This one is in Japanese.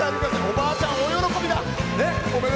おばあちゃん大喜びだ。